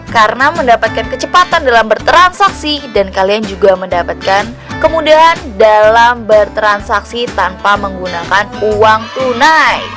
karena mendapatkan kecepatan dalam bertransaksi dan kalian juga mendapatkan kemudahan dalam bertransaksi tanpa menggunakan uang tunai